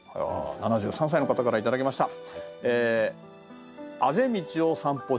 ７３歳の方から頂きました。